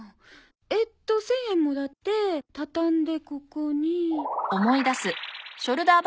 えっと１０００円もらって畳んでここに。